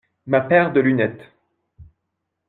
Ma paire de lunettes.